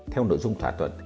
theo nội dung thỏa thuận